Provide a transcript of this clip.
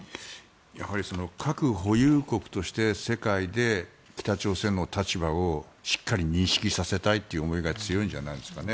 やはり核保有国として世界で北朝鮮の立場をしっかり認識させたいという思いが強いんじゃないですかね。